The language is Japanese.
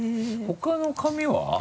他の紙は？